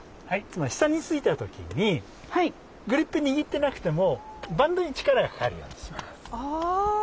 つまり下に突いた時にグリップ握ってなくてもバンドに力がかかるようにします。